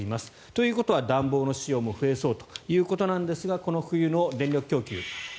ということは暖房の使用も増えそうということですがこの冬の電力供給。